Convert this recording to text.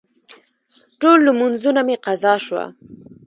ټول لمونځونه مې قضا شوه.